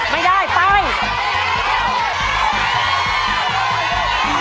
ไม่ได้ไป